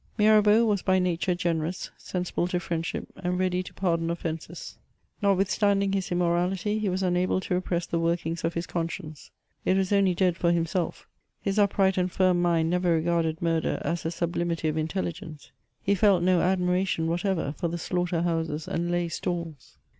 Mirabeau was by nature generous, sensible to friendship, and ready to pardon offences. Notwithstanding his immorality, he was unable to repress the workings of his conscience ; it was only dead for himself; his upright and firm mind never regarded murder as a sublimity of intelligence ; he felt no admiration whatever for the slaughter houses and lay stalls.